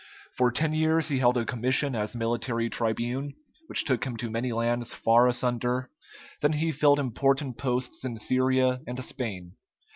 For ten years he held a commission as military tribune, which took him to many lands far asunder; then he filled important posts in Syria and Spain.